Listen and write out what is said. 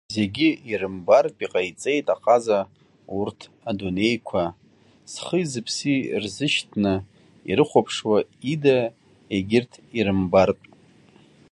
Зегьы ирымбартә иҟаиҵеит аҟаза урҭ адунеиқәа, зхи-зыԥси рзышьҭны ирыхәаԥшуа ида егьырҭ ирымбартә…